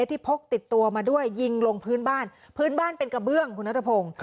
พกติดตัวมาด้วยยิงลงพื้นบ้านพื้นบ้านเป็นกระเบื้องคุณนัทพงศ์